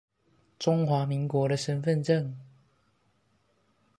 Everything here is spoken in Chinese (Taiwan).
中華民國的身分證